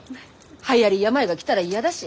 はやり病が来たら嫌だし。